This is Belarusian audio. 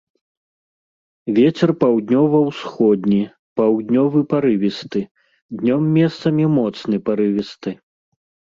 Вецер паўднёва-ўсходні, паўднёвы парывісты, днём месцамі моцны парывісты.